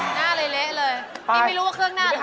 หน้าเล็กเลยกี๊ไม่รู้คนหน้าเท่าไหร่